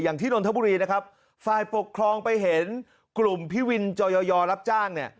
นนทบุรีนะครับฝ่ายปกครองไปเห็นกลุ่มพี่วินจอยอรับจ้างเนี่ย